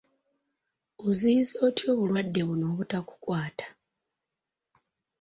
Oziyiza otya obulwadde buno obutakukwata?